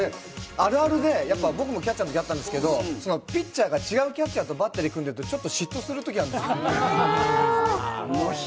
あるあるで、僕もキャッチャーのときあったんですけど、ピッチャーが違うキャッチャーとバッテリー組んでると、嫉妬するときがあるんですよ。